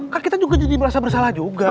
kan kita juga jadi merasa bersalah juga